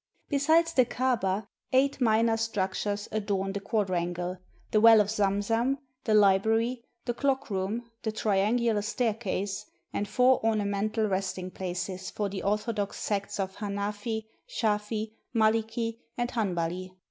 Besides the Kabah, eight minor structures adorn the quadrangle, the well of Zamzam, the library, the clock room, the triangular staircase, and four ornamental resting places for the orthodox sects of Hanafi, Shafi, MaHkl, and Hanbali.